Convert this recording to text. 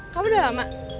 kamu udah lama